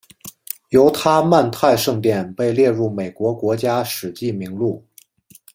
犹他曼泰圣殿被列入美国国家史迹名录。